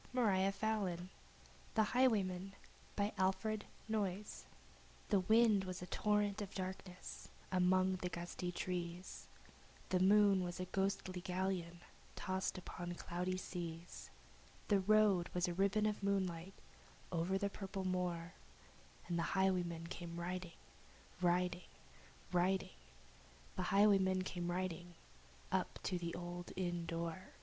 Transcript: U V . W X . Y Z The Highwayman THE wind was a torrent of darkness upon the gusty trees, The moon was a ghostly galleon tossed upon cloudy seas, The road was a ribbon of moonlight looping the purple moor, And the highwayman came riding Riding riding The highwayman came riding, up to the old inn door.